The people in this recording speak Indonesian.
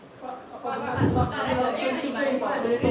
jadi maksudnya kalau yang udah ada penjagaan fisik dan barang